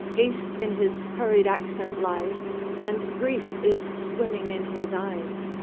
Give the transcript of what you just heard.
Haste in his hurried accent lies, And grief is swimming in his eyes.